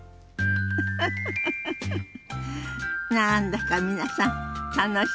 フフフ何だか皆さん楽しそうね。